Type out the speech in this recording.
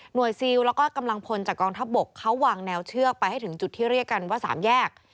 ซิลแล้วก็กำลังพลจากกองทัพบกเขาวางแนวเชือกไปให้ถึงจุดที่เรียกกันว่า๓แยก